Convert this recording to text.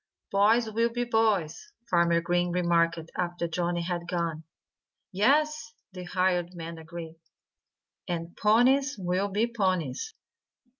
"Boys will be boys," Farmer Green remarked after Johnnie had gone. "Yes!" the hired man agreed. "And ponies will be ponies."